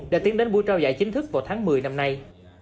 đã tiến đến buổi trao giải chính thức vào tháng một mươi năm nay